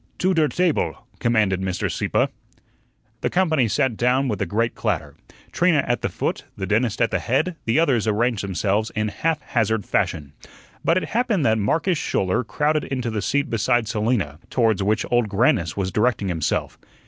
"To der table!" commanded Mr. Sieppe. The company sat down with a great clatter, Trina at the foot, the dentist at the head, the others arranged themselves in haphazard fashion. But it happened that Marcus Schouler crowded into the seat beside Selina, towards which Old Grannis was directing himself.